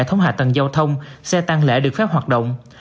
hệ thống hạ tầng giao thông xe tăng lễ được phép hoạt động